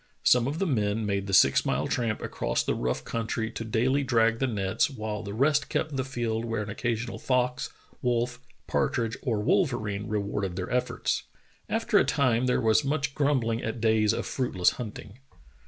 Some of the men made the six mile tramp across the rough countr}^ to daily drag the nets, while the rest kept the field where an occasional fox, wolf, partridge, or wolverine rewarded their efforts. After a time there was much grumbling at days of fruitless hunting.